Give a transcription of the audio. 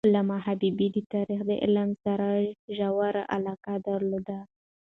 علامه حبیبي د تاریخ د علم سره ژوره علاقه درلودله.